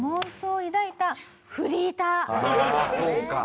ああそうか。